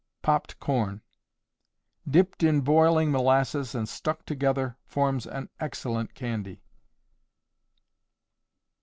Popped Corn. Dipped in boiling molasses and stuck together forms an excellent candy.